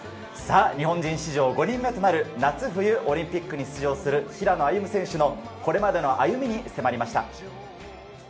日本人史上５人目となる夏、冬オリンピックに出場する平野歩夢選手のこれまでの歩みに迫りました。